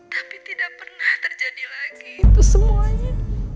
tapi tidak pernah terjadi lagi itu semuanya